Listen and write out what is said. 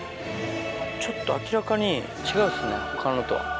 ちょっと明らかに違うっすね、ほかのとは。